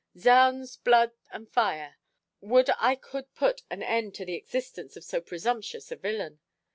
Zounds, blood and fire! would I could put an end to the existence of so presumptuous a villain!